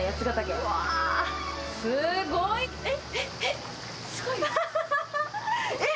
うわすごい！えっ？